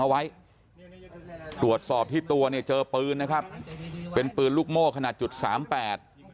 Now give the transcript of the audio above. เอาไว้ตรวจสอบที่ตัวเนี่ยเจอปืนนะครับเป็นปืนลูกโม่ขนาดจุดสามแปด